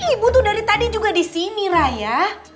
ibu tuh dari tadi juga disini raya